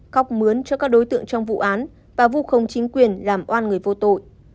khóc mướn cho các đối tượng trong vụ án và vu không chính quyền làm oan người vô tội